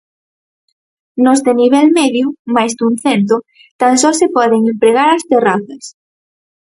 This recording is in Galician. Nos de nivel medio, máis dun cento, tan só se poden empregar as terrazas.